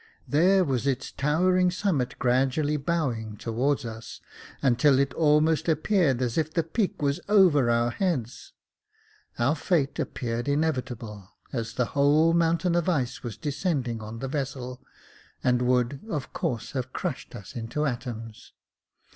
There was its towering summit gradually bowing towards us, until it almost appeared as if the peak was over our heads. Our fate appeared inevitable, as the whole mountain of ice was descending on the vessel, and would, of course, have crushed us into atoms.